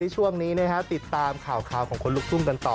ช่วงนี้ติดตามข่าวของคนลุกทุ่งกันต่อ